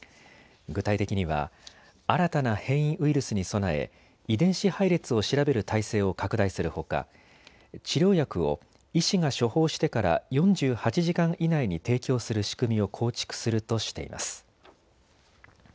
具体的には新たな変異ウイルスに備え遺伝子配列を調べる態勢を拡大するほか治療薬を医師が処方してから４８時間以内に提供する仕組みを構築するとしています。